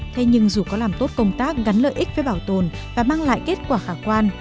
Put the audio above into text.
thế nhưng dù có làm tốt công tác gắn lợi ích với bảo tồn và mang lại kết quả khả quan